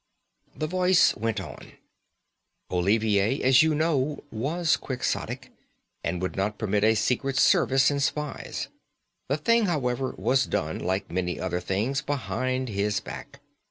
The voice went on: "Olivier, as you know, was quixotic, and would not permit a secret service and spies. The thing, however, was done, like many other things, behind his back.